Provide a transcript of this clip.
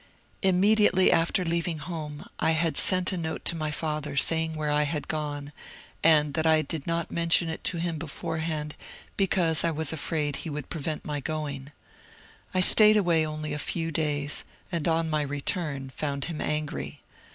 Immediately after leaving home I had sent a note to my father saying where I had gone, and that I did not mention it to him beforehand because I was afraid he would prevent my going. I staid away only a few days, and on my return found him angry.